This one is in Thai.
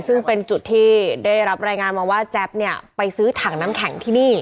ซึ่งเป็นจุดที่ได้รับรายงานมาว่าแจ๊บเนี่ยไปซื้อถังน้ำแข็งที่นี่